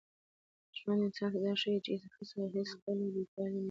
ژوند انسان ته دا ښيي چي هڅه هېڅکله بې پایلې نه وي.